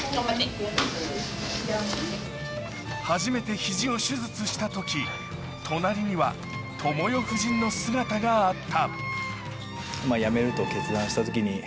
初めて肘を手術したとき、隣には倫世夫人の姿があった。